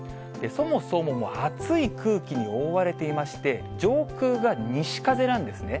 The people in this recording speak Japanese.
そもそも熱い空気に覆われていまして、上空が西風なんですね。